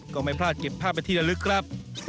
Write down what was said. ก็ไม่พลาดเก็บภาพไปที่ละลึกครับ